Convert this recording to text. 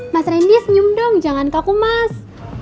mas randy senyum dong jangan kaku mas